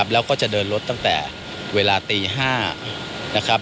แล้วก็จะเดินรถตั้งแต่เวลาตี๕นะครับ